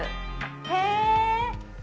へえ！